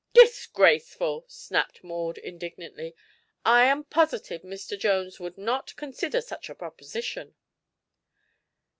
"Disgraceful!" snapped Maud indignantly. "I am positive Mr. Jones would not consider such a proposition."